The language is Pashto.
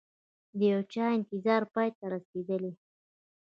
د یوچا انتظار پای ته رسیدلي